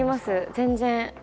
全然。